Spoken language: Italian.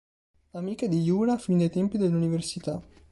Amica di Yura fin dai tempi dell'università.